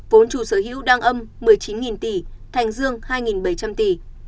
vốn chủ sở hữu đang âm một mươi chín tỷ thành dương hai tỷ